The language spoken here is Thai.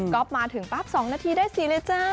ก๊อฟมาถึงปราบ๒นาทีได้สิเลยจ้า